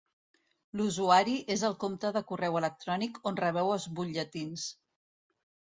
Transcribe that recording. L'usuari és el compte de correu electrònic on rebeu els butlletins.